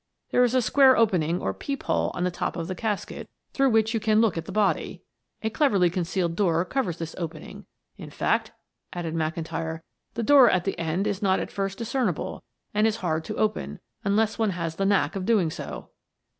There is a square opening or peep hole on the top of the casket through which you can look at the body; a cleverly concealed door covers this opening. In fact," added McIntyre, "the door at the end is not at first discernible, and is hard to open, unless one has the knack of doing so."